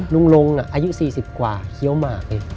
ลุงลงอายุ๔๐กว่าเคี้ยวหมากเลย